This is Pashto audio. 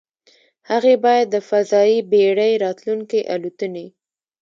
هغې باید د فضايي بېړۍ راتلونکې الوتنې